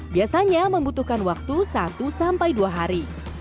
biasanya membutuhkan waktu satu sampai dua hari